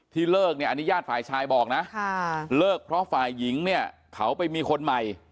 เลิกเนี่ยอันนี้ญาติฝ่ายชายบอกนะเลิกเพราะฝ่ายหญิงเนี่ยเขาไปมีคนใหม่